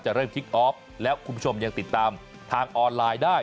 เริ่มคลิกออฟแล้วคุณผู้ชมยังติดตามทางออนไลน์ได้